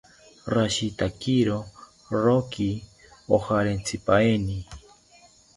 Rashitakiro roki ojarentsipaeni